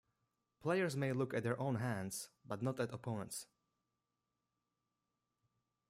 Players may look at their own hands but not at opponents'.